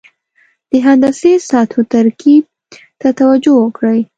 د هندسي سطحو ترکیب ته توجه وکړئ.